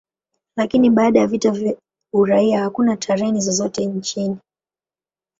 Lakini baada ya vita vya uraia, hakuna treni zozote nchini.